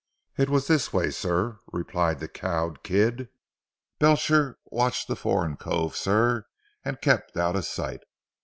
"It was this way sir," replied the cowed Kidd. "Belcher watched the foreign cove sir, and kept out of sight.